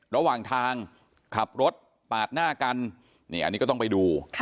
ระหว่างทางขับรถปาดหน้ากันนี่อันนี้ก็ต้องไปดู